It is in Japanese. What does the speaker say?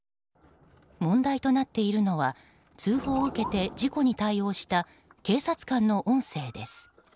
問題となっているのは通報を受けて事故に対応した警察官の音声です。